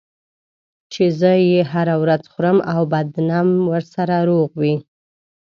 چې زه یې هره ورځ خورم او بدنم ورسره روغ وي.